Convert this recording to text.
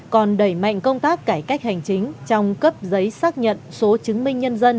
còn đẩy mạnh công tác cải cách hành chính trong cấp giấy xác nhận số chứng minh